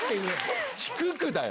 低くだよ。